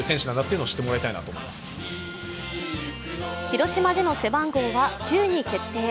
広島での背番号は９に決定。